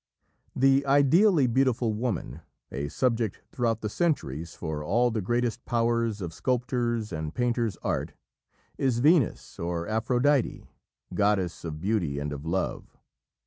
The ideally beautiful woman, a subject throughout the centuries for all the greatest powers of sculptor's and painter's art, is Venus, or Aphrodite, goddess of beauty and of love.